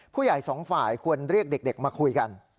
ผู้ใหญ่สองฝ่ายควรเรียกเด็กมาคุยกัน